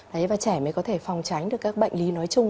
đấy và trẻ mới có thể phòng tránh được các bệnh lý nói chung